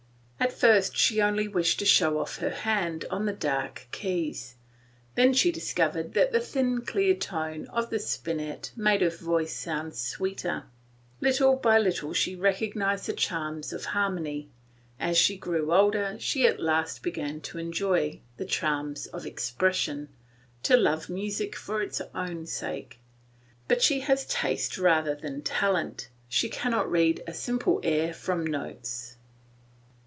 At first she only wished to show off her hand on the dark keys; then she discovered that the thin clear tone of the spinet made her voice sound sweeter; little by little she recognised the charms of harmony; as she grew older she at last began to enjoy the charms of expression, to love music for its own sake. But she has taste rather than talent; she cannot read a simple air from notes.